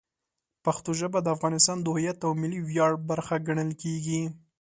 پښتو ژبه د افغانستان د هویت او ملي ویاړ برخه ګڼل کېږي.